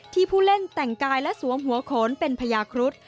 ผู้เล่นแต่งกายและสวมหัวโขนเป็นพญาครุฑ